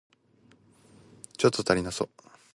ちょっと足りなそう